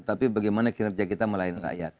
tapi bagaimana kinerja kita melayani rakyat